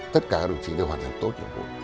tất cả các đồng chí đều hoàn thành tốt nhiệm vụ